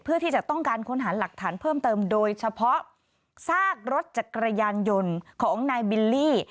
เพื่อที่จะต้องการค้นหาหลักฐานเพิ่มเติมโดยเฉพาะซากรถจักรยานยนต์ของนายบิลลี่